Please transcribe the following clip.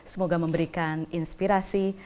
semoga memberikan inspirasi